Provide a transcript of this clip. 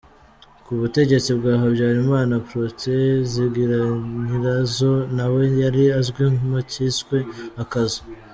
Ku butegetsi bwa Habyarimana, Protais Zigiranyirazo nawe yari azwi mu cyiswe « Akazu ».